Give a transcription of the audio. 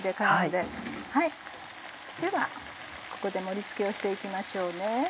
ではここで盛り付けをして行きましょうね。